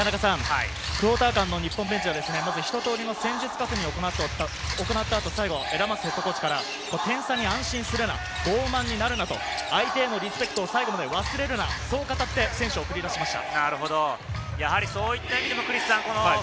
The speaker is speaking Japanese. クオーター間の日本ベンチ、ひと通りの戦術確認を行った後、最後、ラマスヘッドコーチから点差に安心するな、ごう慢になるな、相手へのリスペクトを忘れるなと語って選手を送り出しました。